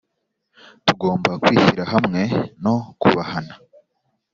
Tugomba kwishyira hamwe no kubahana